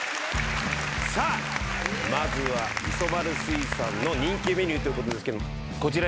まずは磯丸水産の人気メニューということですけど。